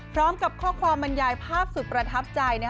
พร้อมกับข้อความบรรยายภาพสุดประทับใจ